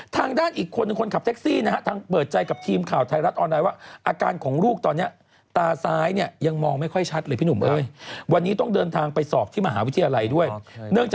ทางด้านอีกคนคนขับแท็กซี่นะฮะ